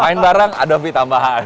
main bareng ada fee tambahan